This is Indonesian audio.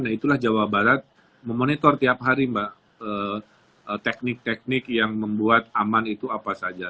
nah itulah jawa barat memonitor tiap hari mbak teknik teknik yang membuat aman itu apa saja